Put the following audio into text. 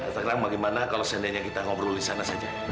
sekarang bagaimana kalau seandainya kita ngobrol di sana saja